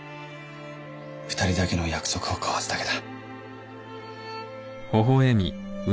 ２人だけの約束を交わすだけだ。